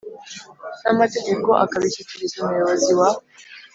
n amategeko akabishyikiriza Umuyobozi wa